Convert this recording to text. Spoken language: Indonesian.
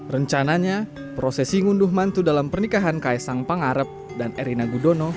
rencananya prosesi ngunduh mantu dalam pernikahan kaisang pangarep dan erina gudono